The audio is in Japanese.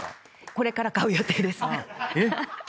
これから買う予定です。